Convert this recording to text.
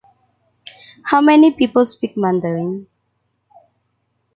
How many people speak mandarin?